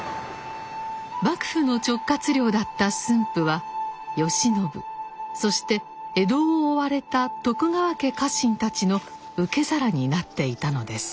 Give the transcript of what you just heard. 幕府の直轄領だった駿府は慶喜そして江戸を追われた徳川家家臣たちの受け皿になっていたのです。